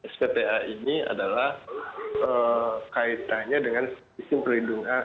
spta ini adalah kaitannya dengan sistem perlindungan